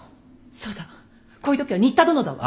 そうだわこういう時は仁田殿だわ。